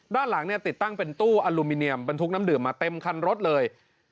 ด้านหลังเนี่ยติดตั้งเป็นตู้อลูมิเนียมบรรทุกน้ำดื่มมาเต็มคันรถเลย